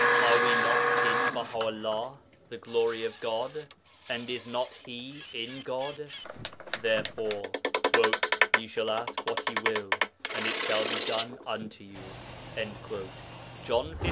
Are we not in Baha'ullah ('the Glory of God'), and is not He in God? Therefore, 'ye shall ask what ye will, and it shall be done unto you' (John xv.